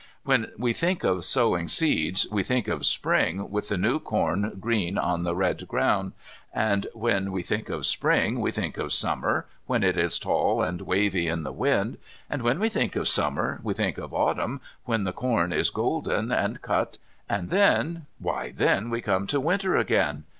When we think of sowing seeds we think of Spring with the new corn green on the red ground, and when we think of Spring we think of Summer, when it is tall and wavy in the wind, and when we think of Summer we think of Autumn when the corn is golden and cut, and then, why, then we come to Winter again.